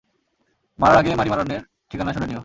মারার আগে মানিমারানের ঠিকানা শুনে নিও।